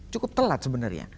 cukup telat sebenarnya